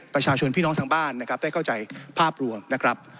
พี่น้องทางบ้านนะครับได้เข้าใจภาพรวมนะครับ